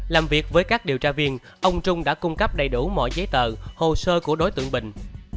làm việc với các điều tra viên ông trung đã cung cấp đầy đủ mọi giấy tờ hồ sơ của đối tượng bình